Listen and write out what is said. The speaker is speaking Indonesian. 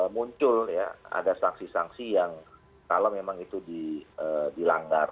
muncul ya ada sanksi sanksi yang kalau memang itu dilanggar